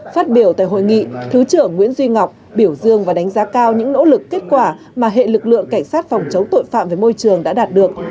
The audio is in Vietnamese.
phát biểu tại hội nghị thứ trưởng nguyễn duy ngọc biểu dương và đánh giá cao những nỗ lực kết quả mà hệ lực lượng cảnh sát phòng chống tội phạm về môi trường đã đạt được